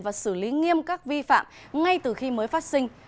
và xử lý nghiêm các vi phạm ngay từ khi mới phát sinh